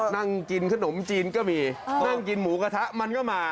นั่งกินขนมจีนก็มีนั่งกินหมูกระทะมันก็มา